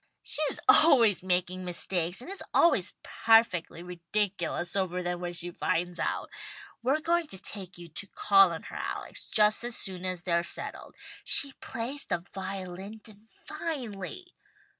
"She's always making mistakes, and is always perfectly ridiculous over them when she finds it out. We're going to take you to call on her, Alex, just as soon as they're settled. She plays the violin divinely."